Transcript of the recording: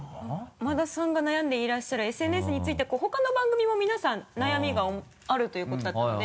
馬田さんが悩んでいらっしゃるＳＮＳについて他の番組も皆さん悩みがあるということだったので。